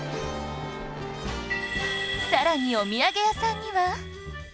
さらにお土産屋さんには